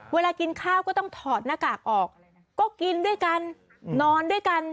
เวลากินข้าวก็ต้องถอดหน้ากากออกก็กินด้วยกันนอนด้วยกัน